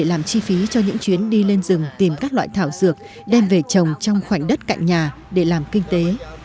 anh phố được chi phí cho những chuyến đi lên rừng tìm các loại thảo dược đem về trồng trong khoảnh đất cạnh nhà để làm kinh tế